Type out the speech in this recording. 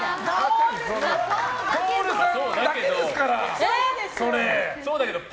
徹さんだけですから！